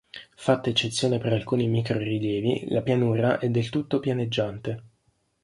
Fatta eccezione per alcuni micro-rilievi, la pianura è del tutto pianeggiante.